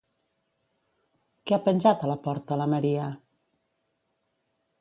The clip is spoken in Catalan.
Què ha penjat a la porta la Maria?